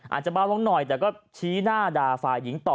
อาจจะเบาลงหน่อยแต่ก็ชี้หน้าด่าฝ่ายหญิงต่อ